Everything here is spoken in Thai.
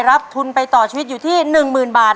รับทุนสะสมอยู่ที่๕๐๐๐บาท